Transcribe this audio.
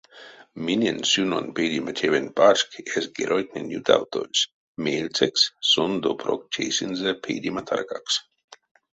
Минень-сюнонь пейдема тевень пачк эсь геройтнень ютавтозь, меельцекс сон допрок тейсынзе пейдема таркакс.